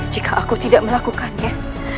jika aku tidak melakukannya